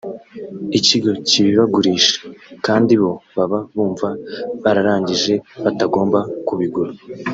ikigo kibibagurisha kandi bo baba bumva bararangije batagomba kubigura